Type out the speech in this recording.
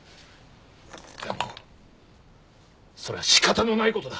でもそれは仕方のない事だ！